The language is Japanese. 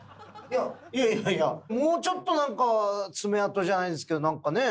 いやいやいやもうちょっとなんか爪痕じゃないですけどなんかね。